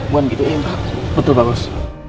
bukan gitu ya pak betul pak bos